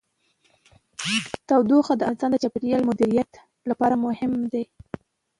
تودوخه د افغانستان د چاپیریال د مدیریت لپاره مهم دي.